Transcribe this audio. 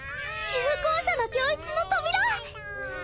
旧校舎の教室の扉！